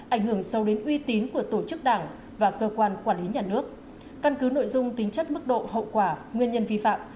ảnh hưởng sâu đến uy tín của tổ chức đảng và cơ quan quản lý nhà nước căn cứ nội dung tính chất mức độ hậu quả nguyên nhân vi phạm